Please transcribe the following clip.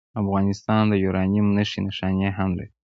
افغانستان د یورانیم نښې نښانې هم لري.